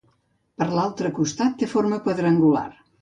Per l'altre costat té forma quadrangular.